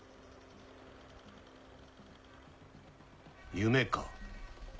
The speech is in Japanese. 夢か。